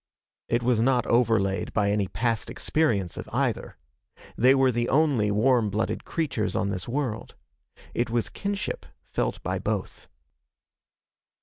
It was not overlaid by any past experience of either. They were the only warm blooded creatures on this world. It was kinship felt by both.